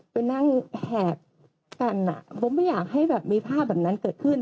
ไปนั่งแหบกันอ่ะเพราะไม่อยากให้แบบมีภาพแบบนั้นเกิดขึ้น